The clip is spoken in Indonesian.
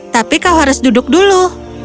tapi kau harus duduk dulu